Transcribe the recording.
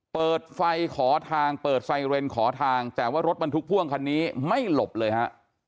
เปิดไฟขอทางเปิดไซเรนขอทางแต่ว่ารถบรรทุกพ่วงคันนี้ไม่หลบเลยฮะ